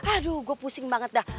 aduh gue pusing banget dah